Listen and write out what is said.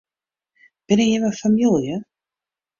Binne jimme famylje?